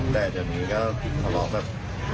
แต่จนนี้ก็หลอกแบบ